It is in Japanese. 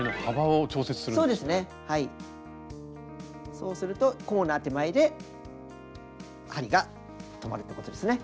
そうするとコーナー手前で針が止まるってことですね。